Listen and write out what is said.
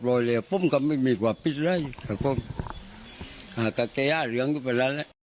ออกไปจากกวัดนะ